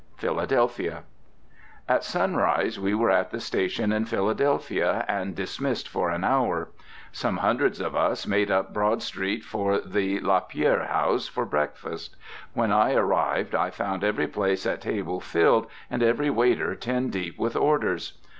PHILADELPHIA. At sunrise we were at the station in Philadelphia, and dismissed for an hour. Some hundreds of us made up Broad Street for the Lapierre House to breakfast. When I arrived, I found every place at table filled and every waiter ten deep with orders.